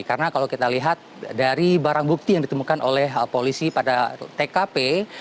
karena kalau kita lihat dari barang bukti yang ditemukan oleh polisi pada tkp